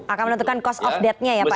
akan menentukan cost of deathnya ya pak ya